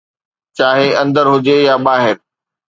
چاهي اندر هجي يا ٻاهر